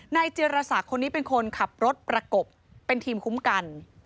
เจรศักดิ์คนนี้เป็นคนขับรถประกบเป็นทีมคุ้มกัน